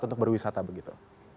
untuk berwisata begitu